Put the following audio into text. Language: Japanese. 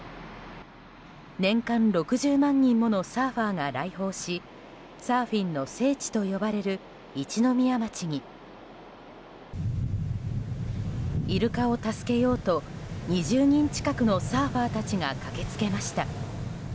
年間６０万人ものサーファーが来訪しサーフィンの聖地と呼ばれる一宮町にイルカを助けようと２０人近くのサーファーたちが駆けつけました。